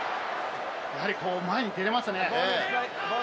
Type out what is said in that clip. やはり前に出れましたね。